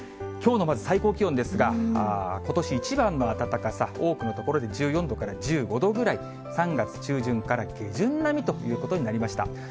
きょうのまず最高気温ですが、ことし一番の暖かさ、多くの所で１４度から１５度ぐらい、３月中旬から下旬並みということになりました。